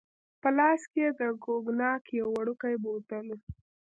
په لاس کې يې د کوګناک یو وړوکی بوتل وو.